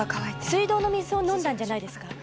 水道の水を飲んだんじゃないですか？